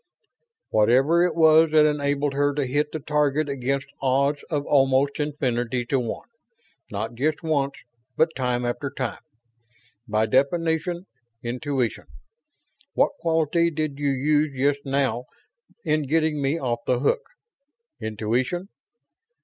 "Whatever it was that enabled her to hit the target against odds of almost infinity to one; not just once, but time after time. By definition, intuition. What quality did you use just now in getting me off the hook? Intuition.